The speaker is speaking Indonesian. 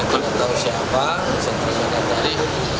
tidak tahu siapa siapa yang tadi